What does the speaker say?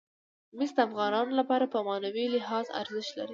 مس د افغانانو لپاره په معنوي لحاظ ارزښت لري.